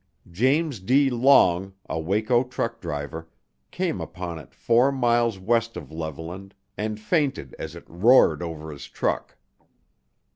James D. Long, a Waco truck driver, came upon "it" four miles west of Levelland and fainted as it roared over his truck.